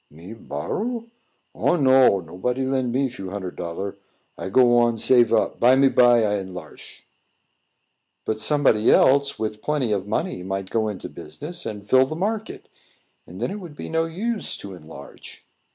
"Me borrow? Oh, no; nobody lend me few hunnard dollar. I go on, save up; bimeby I enlarsh." "But somebody else, with plenty of money, might go into the business and fill the market; then it would be no use to enlarge."